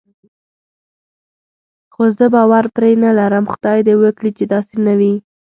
خو زه باور پرې نه لرم، خدای دې وکړي چې داسې نه وي.